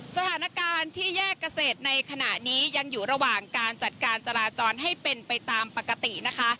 สถานการณ์ที่แยกเกษตรในขณะนี้ยังอยู่ระหว่างการจัดการจราจรให้เป็นไปตามปกตินะคะ